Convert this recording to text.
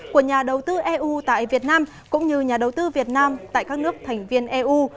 của nhà đầu tư eu tại việt nam cũng như nhà đầu tư việt nam tại các nước thành viên eu